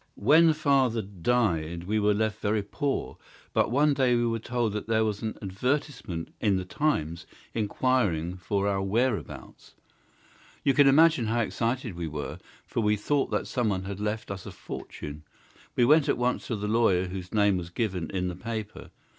When father died we were left very poor, but one day we were told that there was an advertisement in the TIMES inquiring for our whereabouts. You can imagine how excited we were, for we thought that someone had left us a fortune. We went at once to the lawyer whose name was given in the paper.